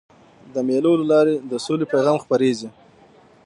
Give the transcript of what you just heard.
د مېلو له لاري د سولي پیغام خپرېږي.